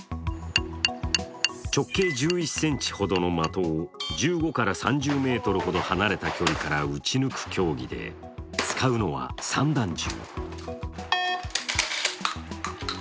直径１１ｃｍほどの的を１５から３０ｍほど離れた距離から撃ち抜く競技で、使うのは散弾銃。